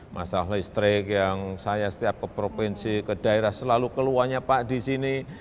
masalah listrik yang saya setiap ke provinsi ke daerah selalu keluarnya pak di sini